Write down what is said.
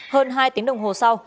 hơn hai tiếng đồng hồ sau